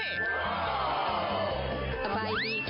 เฮ้เฮ